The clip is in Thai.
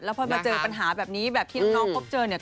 พอมาเจอปัญหาแบบนี้แบบที่น้องพบเจอเนี่ย